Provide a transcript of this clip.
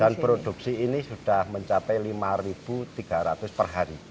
dan produksi ini sudah mencapai lima ribu tiga ratus perhari